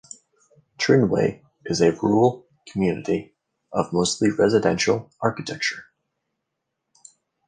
Trinway is a rural community of mostly residential architecture.